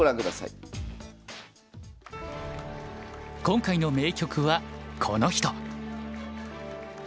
今回の名局はこの人。